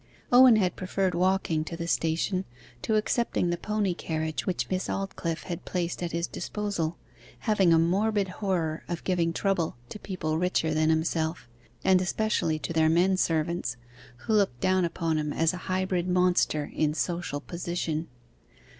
Owen had preferred walking to the station to accepting the pony carriage which Miss Aldclyffe had placed at his disposal, having a morbid horror of giving trouble to people richer than himself, and especially to their men servants, who looked down upon him as a hybrid monster in social position.